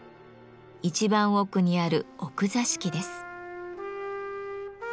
一番奥にある「奥座敷」です。